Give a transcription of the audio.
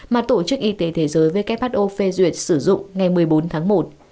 mà tổ chức y tế thế giới who phê duyệt sử dụng ngày một mươi bốn tháng một